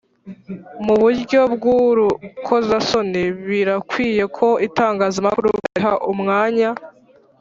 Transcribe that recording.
muburyo bw’urukozasoni, Birakwiye ko itangazamakuru bariha umwanya